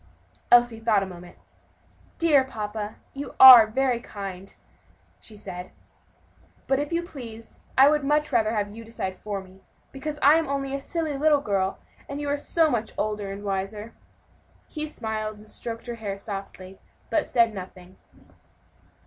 Elsie thought a moment. "Dear papa, you are very kind," she said, "but if you please, I would much rather have you decide for me, because I am only a silly little girl, and you are so much older and wiser." He smiled, and stroked her hair softly, but said nothing.